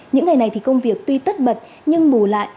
những ngày này thì công việc tuy tất bật nhưng bù lại